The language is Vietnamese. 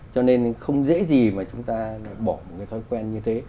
cho nên không dễ gì mà chúng ta bỏ một cái thói quen như thế